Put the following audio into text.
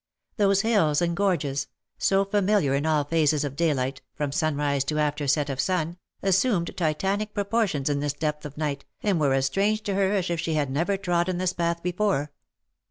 Those hills and gorges, so familiar in all phases of daylight, from sunrise to after set of sun, assumed Titanic proportions in this depth of night, and were as strange to her as if she had" never trodden this path before.